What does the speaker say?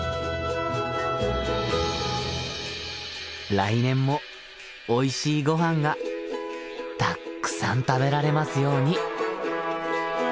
来年もおいしいごはんがたっくさん食べられますように！